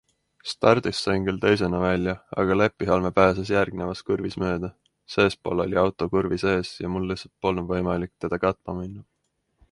Stardist sain küll teisena väja, aga Leppihalme pääses järgnevas kurvis mööda - seespool oli auto kurvis ees ja mul lihtsalt polnud võimalik teda katma minna.